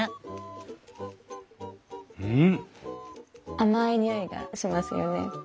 甘い匂いがしますよね。